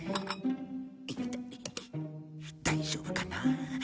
大丈夫かなあ。